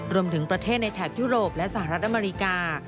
รวมถึงประเทศในแถบยุโรปและสหรัฐอเมริกา